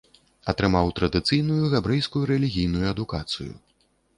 Атрымаў традыцыйную габрэйскую рэлігійную адукацыю.